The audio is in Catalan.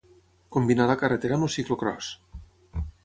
Combinà la carretera amb el ciclocròs.